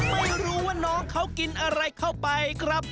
ไม่รู้ว่าน้องเขากินอะไรเข้าไปครับ